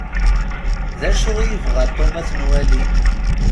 D acu i yebɣa Tom ad t-nwali?